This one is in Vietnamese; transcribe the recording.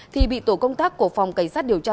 thì bị tổ công tác của phòng cảnh sát điều tra